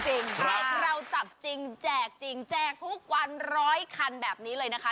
นี่เราจับจริงแจกจริงแจกทุกวันร้อยคันแบบนี้เลยนะคะ